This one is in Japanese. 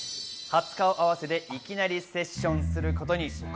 初顔合わせでいきなりセッションすることに。